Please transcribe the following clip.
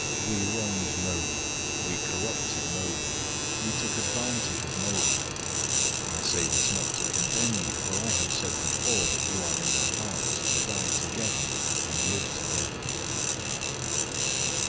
We wronged no one. We corrupted no one. We took advantage of no one. 007:003 I say this not to condemn you, for I have said before, that you are in our hearts to die together and live together.